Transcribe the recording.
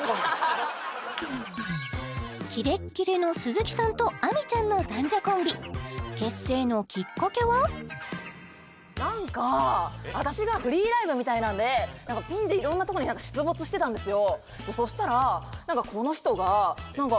キレッキレの鈴木さんとアミちゃんの男女コンビ何か私がフリーライブみたいなのでピンでいろんなところに出没してたんですよ